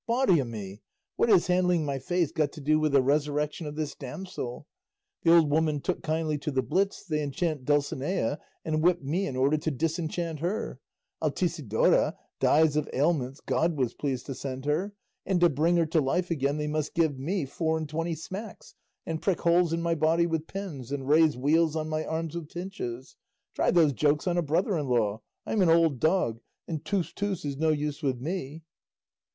Body o' me! What has handling my face got to do with the resurrection of this damsel? 'The old woman took kindly to the blits;' they enchant Dulcinea, and whip me in order to disenchant her; Altisidora dies of ailments God was pleased to send her, and to bring her to life again they must give me four and twenty smacks, and prick holes in my body with pins, and raise weals on my arms with pinches! Try those jokes on a brother in law; 'I'm an old dog, and "tus, tus" is no use with me.